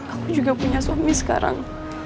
aku juga punya suami sekarang